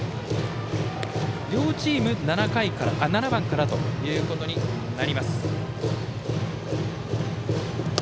両チーム７番からということになります。